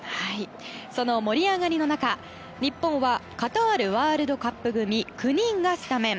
その盛り上がりの中日本はカタールワールドカップ組９人がスタメン。